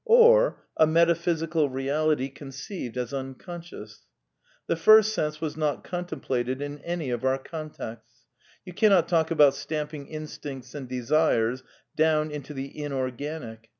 Or a / metaphysical Eeality conceived as unconscious. The Lt sense wi not contemplated in any of our con texts. (You cannot talk about stamping instincts and de sires down into the inorganic.)